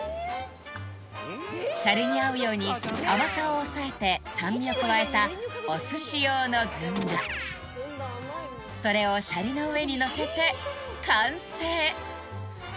シャリに合うように甘さを抑えて酸味を加えたお寿司用のずんだそれをシャリの上にのせて完成